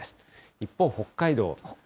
一方、北海道。